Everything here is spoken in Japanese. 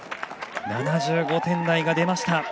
７５点台が出ました。